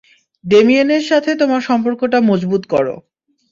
ডেমিয়েনের সাথে তোমার সম্পর্কটা মজবুত করো।